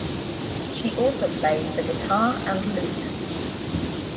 She also plays the guitar and lute.